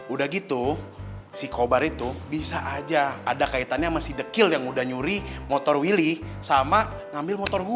udah gitu si kobar itu bisa aja ada kaitannya masih dekill yang udah nyuri motor willy sama ngambil motor gue